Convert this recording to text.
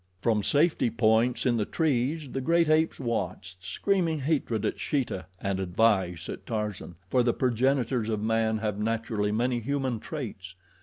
From safety points in the trees the great apes watched, screaming hatred at Sheeta and advice at Tarzan, for the progenitors of man have, naturally, many human traits.